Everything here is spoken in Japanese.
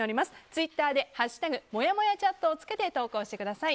ツイッターで「＃もやもやチャット」をつけて投稿してください。